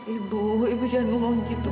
ibu ibu jangan ngomong gitu